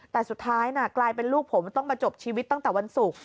แต่สุดท้ายกลายเป็นลูกผมต้องมาจบชีวิตตั้งแต่วันศุกร์